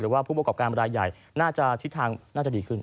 ว่าผู้ประกอบการรายใหญ่น่าจะทิศทางน่าจะดีขึ้น